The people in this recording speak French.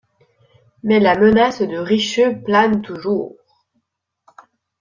Mais la menace de Richeut plane toujours.